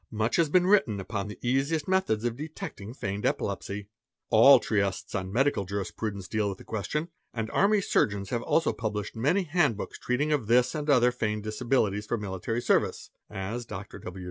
Much has been written upon the sasiest methods of detecting feigned epilepsy; all treatises on Medical 7 RB rispradence deal with the question; and army surgeons have also _ published many handbooks treating of this and other feigned disabilities 'or military service (as Dr. W.